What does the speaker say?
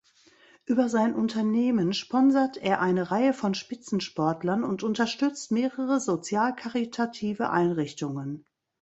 Über sein Unternehmen sponsert er eine Reihe von Spitzensportlern und unterstützt mehrere sozial-karitative Einrichtungen.